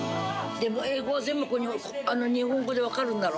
英語全部日本語で分かるんだろ？）